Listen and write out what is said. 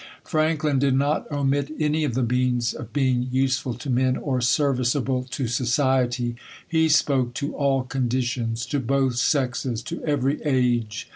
Franklin did not omit any of the means of being use ful to meuy or serviceable to society. He spoke to all conditioits, to both sexes, to evefy age.